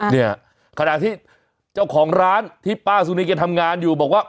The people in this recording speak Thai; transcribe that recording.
เนี่ยขณะที่เจ้าของร้านที่ป้าสุนีแกทำงานอยู่บอกว่า